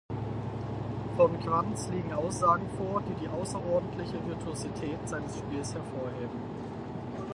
Von Quantz liegen Aussagen vor, die die außerordentliche Virtuosität seines Spiels hervorheben.